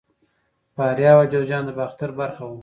فاریاب او جوزجان د باختر برخه وو